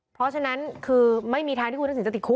เพราะฉะนั้นคือไม่มีทางที่คุณทักษิณจะติดคุก